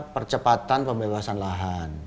percepatan pembebasan lahan